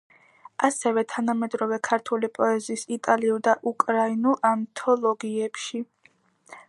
ასევე თანამედროვე ქართული პოეზიის იტალიურ და უკრაინულ ანთოლოგიებში.